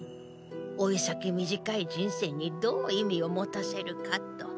老い先短い人生にどう意味を持たせるかと。